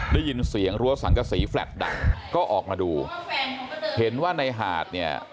ได้ยินเสียงรั้วสังกษีแฟลต์ดังก็ออกมาดูเห็นว่าในหาดเนี่ย